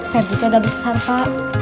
febri tidak besar pak